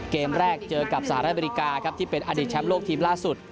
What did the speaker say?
เกมแรกเจอกับสหรัฐอเมริกาครับที่เป็นอดีตแชมป์โลกทีมล่าสุด